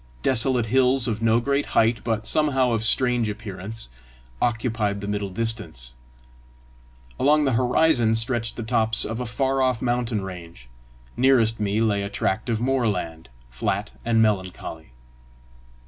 Desolate hills of no great height, but somehow of strange appearance, occupied the middle distance; along the horizon stretched the tops of a far off mountain range; nearest me lay a tract of moorland, flat and melancholy.